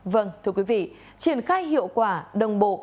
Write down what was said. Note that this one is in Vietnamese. vâng thưa quý vị triển khai hiệu quả đồng bộ